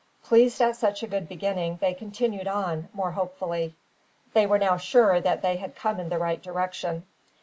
Pleased at such a good beginning, they continued on, more hopefully. They were now sure that they had come in the right direction.